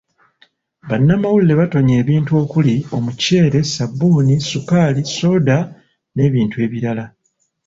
Bannamawulire batonye ebintu okuli; Omuceere, Ssabbuuni, ssukaali, ssooda n'ebintu ebirala .